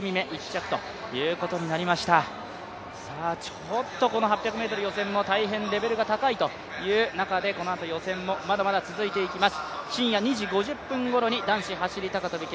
ちょっと８００ｍ予選も大変レベルが高いという中でこのあと予選もまだまだ続いていきます。